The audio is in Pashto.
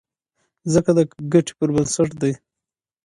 ځکه د ګټې پر بنسټ دی.